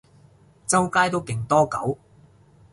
周街都勁多狗